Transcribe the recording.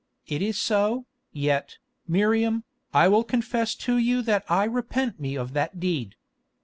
It is so, yet, Miriam, I will confess to you that I repent me of that deed.